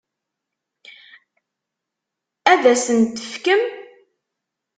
Ad as-tent-tefkem?